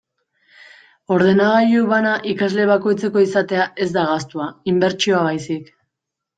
Ordenagailu bana ikasle bakoitzeko izatea ez da gastua, inbertsioa baizik.